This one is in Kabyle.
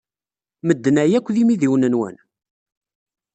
Medden-a akk d imidiwen-nwen?